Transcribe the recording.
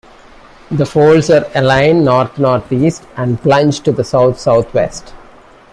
The folds are aligned north-north east and plunge to the south south west.